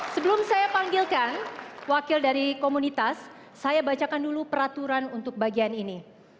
sebelum saya panggilkan wakil dari komunitas saya bacakan dulu peraturan untuk bagian ini